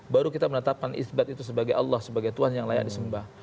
baru kita menetapkan izbat itu sebagai allah sebagai tuhan yang layak disembah